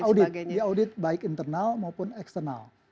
karena kami di audit di audit baik internal maupun eksternal